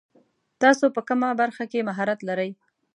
تاسو په کومه برخه کې مهارت لري ؟